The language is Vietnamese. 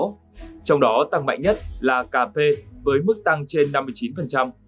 trong đó tăng mạnh nhất là cà phê với mức tăng trên năm mươi chín